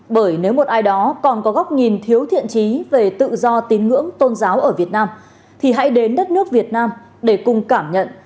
bởi nếu một ai đó còn có góc nhìn thiếu thiện trí về tự do tín ngưỡng tôn giáo ở việt nam thì hãy đến đất nước việt nam để cùng cảm nhận